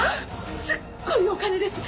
すっごいお金です！